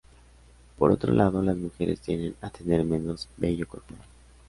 Por otro lado, las mujeres tienden a tener menos vello corporal.